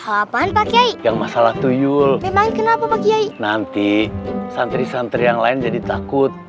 apaan pakai yang masalah tuyul memang kenapa pakai nanti santri santri yang lain jadi takut